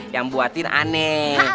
yang buatin aneh